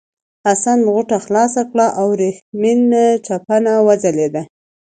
حسن غوټه خلاصه کړه او ورېښمین چپنه وځلېده.